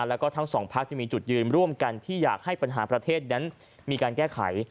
แล้วก็ทั้งสองพักจะมีจุดยืนร่วมกันที่อยากให้ปัญหาประเทศนั้นมีการแก้ไข